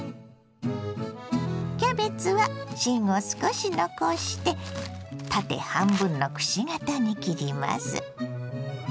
キャベツは芯を少し残して縦半分のくし形に切ります。